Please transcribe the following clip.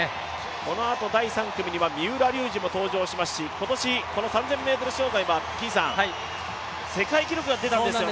このあと第３組には三浦龍司も登場しますし今年この３０００ｍ障害は世界記録が出たんですよね。